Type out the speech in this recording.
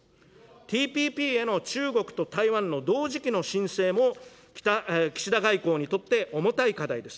ＴＰＰへの中国と台湾の同時期の申請も岸田外交にとって重たい課題です。